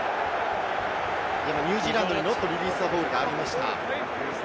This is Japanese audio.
ニュージーランドにノットリリースザボールがありました。